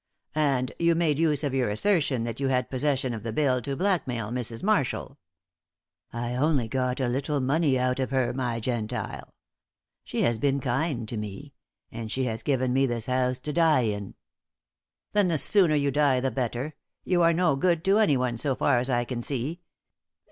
"And you made use of your assertion that you had possession of the bill to blackmail Mrs. Marshall?" "I only got a little money out of her, my Gentile. She has been kind to me, and she has given me this house to die in." "Then the sooner you die the better. You are no good to anyone, so far as I can see.